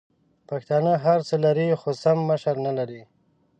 پښتانه هرڅه لري خو سم مشر نلري!